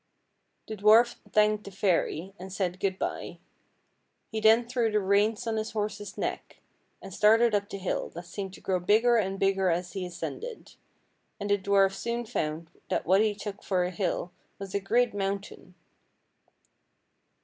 The dwarf thanked the fairy, and said good by. He then threw the reins on his horse's neck, and started up the hill, that seemed to grow bigger and bigger as he ascended, and the dwarf soon found that what he took for a hill was a great mountain.